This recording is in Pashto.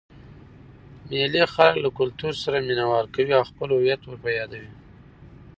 مېلې خلک له کلتور سره مینه وال کوي او خپل هويت ور په يادوي.